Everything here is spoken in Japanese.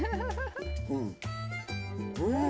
うん。